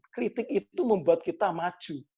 kritik itu membuat kita maju